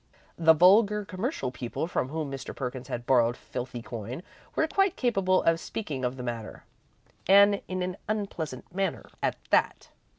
The vulgar, commercial people from whom Mr. Perkins had borrowed filthy coin were quite capable of speaking of the matter, and in an unpleasant manner at that.